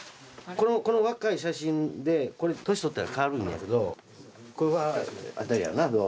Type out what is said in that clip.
この若い写真で年取ったら変わるんやけどこれは当たりやなど